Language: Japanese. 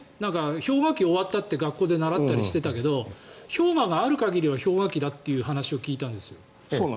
氷河期が終わったって学校で習ったりしていたけど氷河がある限りは氷河期だという話を聞いたんですよ。